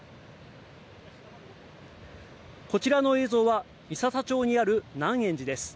こちらの映像は、三朝町にある南苑寺です。